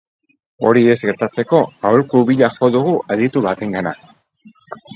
Hori ez gertatzeko aholku bila jo dugu aditu batengana.